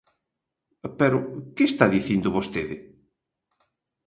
Pero, ¿que está dicindo vostede?